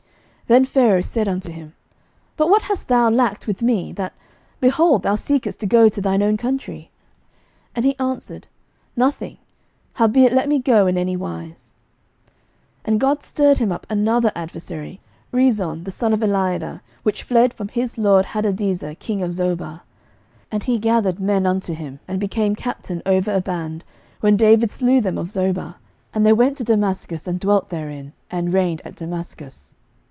11:011:022 Then Pharaoh said unto him, But what hast thou lacked with me, that, behold, thou seekest to go to thine own country? And he answered, Nothing: howbeit let me go in any wise. 11:011:023 And God stirred him up another adversary, Rezon the son of Eliadah, which fled from his lord Hadadezer king of Zobah: 11:011:024 And he gathered men unto him, and became captain over a band, when David slew them of Zobah: and they went to Damascus, and dwelt therein, and reigned in Damascus.